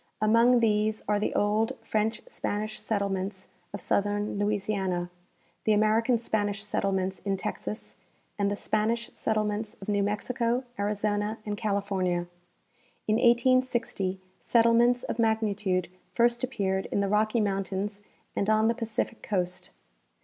Among these are the old French Spanish settlements of southern Louisiana, the American Spanish settle ments in Texas, and the Spanish settlements of New Mexico, Arizona and California. In 1860 settlements of magnitude first appeared in the Rocky mountains and on the Pacific coast.